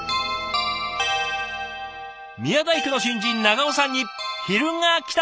宮大工の新人長尾さんに昼がきた。